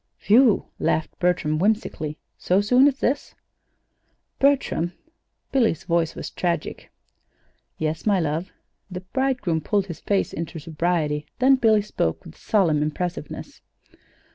"Whew!" laughed Bertram, whimsically. "So soon as this?" "Bertram!" Billy's voice was tragic. "Yes, my love." The bridegroom pulled his face into sobriety; then Billy spoke, with solemn impressiveness.